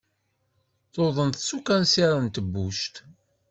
Tuḍen s ukansir n tebbuct.